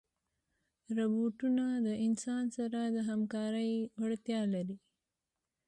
روبوټونه د انسان سره د همکارۍ وړتیا لري.